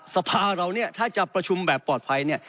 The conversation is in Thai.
สภาเราถ้าจะประชุมแบบปลอดภัย